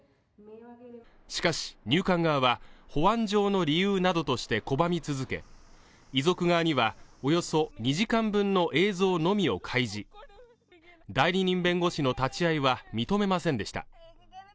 しかし入管側は保安上の理由などとして拒み続け遺族側にはおよそ２時間分の映像のみを開示代理人弁護士の立ち会いは認めませんでした